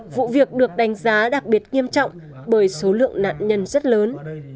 vụ việc được đánh giá đặc biệt nghiêm trọng bởi số lượng nạn nhân rất lớn